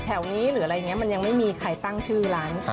แถวนี้หรืออะไรอย่างนี้มันยังไม่มีใครตั้งชื่อร้าน